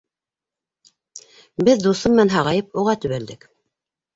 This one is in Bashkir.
Беҙ дуҫым менән һағайып, уға төбәлдек.